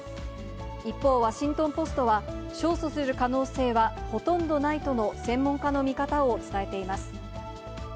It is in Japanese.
一方、ワシントンポストは勝訴する可能性はほとんどないとの専門家の見方を伝えています。